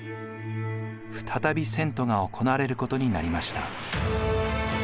再び遷都が行われることになりました。